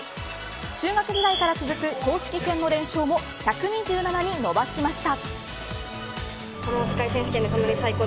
中学時代から続く公式戦の連勝も１２７に伸ばしました。